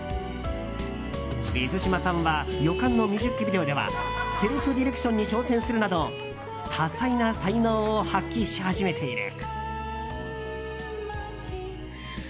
水嶋さんは「予感」のミュージックビデオではセルフディレクションに挑戦するなど多彩な才能を発揮し始めている。